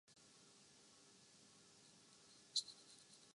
تمیم injury کا شکار ہو کر ایشیا کپ سے باہر